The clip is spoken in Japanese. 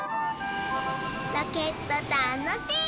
ロケットたのしい！